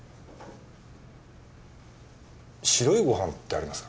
白いご飯ってありますか？